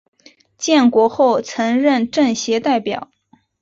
建国后曾任政协代表。